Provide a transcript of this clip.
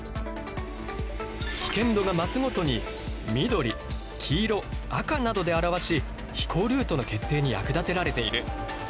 危険度が増すごとに緑黄色赤などで表し飛行ルートの決定に役立てられている。